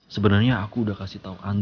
sebenernya aku udah kasih tau andre tante